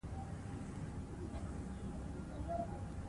قمرالدين يې په خره سور راوړو.